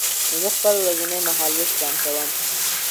زه خپل ورځنی مهالوېش پلان کوم.